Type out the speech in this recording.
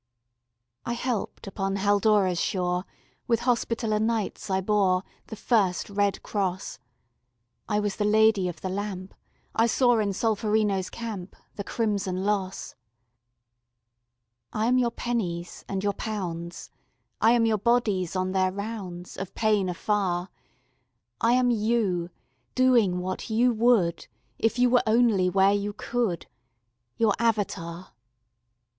I helped upon Haldora's shore; With Hospitaller Knights I bore The first red cross; I was the Lady of the Lamp; I saw in Solferino's camp The crimson loss. 188 AUXILIARIES I am your pennies and your pounds; I am your bodies on their rounds Of pain afar; I am you, doing what you would If you were only where you could —■ Your avatar.